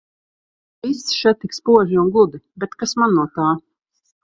Viss še tik spoži un gludi, bet kas man no tā.